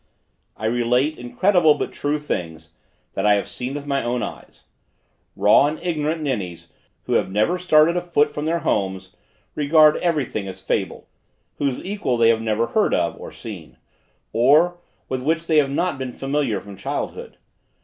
I relate incredible but true things, that I have seen with my own eyes. Raw and ignorant ninnies who have never started a foot from their homes, regard every thing as fable, whose equal they have never heard of or seen; or, with which they have not been familiar from childhood.